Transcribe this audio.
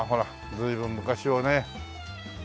随分昔をね彷彿。